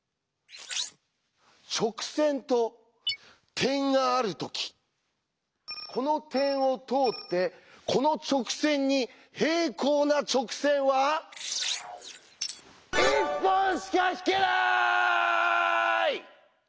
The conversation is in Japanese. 「直線と点があるときこの点を通ってこの直線に平行な直線は１本しか引けない」！